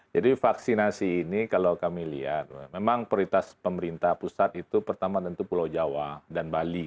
jadi vaksinasi ini kalau kami lihat memang prioritas pemerintah pusat itu pertama tentu pulau jawa dan bali